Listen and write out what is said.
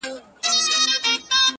پرون دي بيا راته غمونه راكړل؛